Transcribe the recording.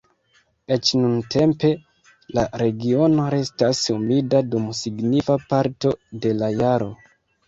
Eĉ nuntempe, la regiono restas humida dum signifa parto de la jaro.